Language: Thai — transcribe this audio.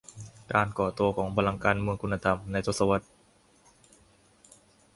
การก่อตัวของพลังการเมืองคุณธรรม ในทศวรรษ